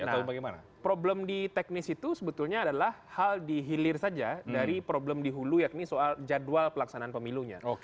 nah problem di teknis itu sebetulnya adalah hal dihilir saja dari problem di hulu yakni soal jadwal pelaksanaan pemilunya